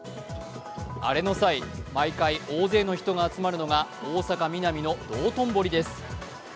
アレの際、毎回、大勢の人が集まるのが大阪・ミナミの道頓堀です。